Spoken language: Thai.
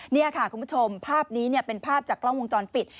นี่ค่ะคุณผู้ชมภาพนี้เป็นภาพจากกล้องวงจรปิด